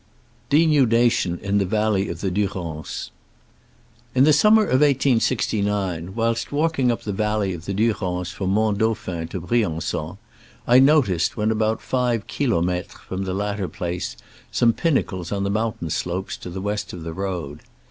DENUDATION IN THE VALLEY OF THE DURANCE. In the summer of 1869, whilst walking up the val ley of the Durance from Mont Dauphin to Briangon, I noticed, when about five kilometres from the latter place, some pinnacles on the mountain slopes to the west of the road.